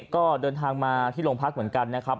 ก็เดินทางมาที่โรงพักเหมือนกันนะครับ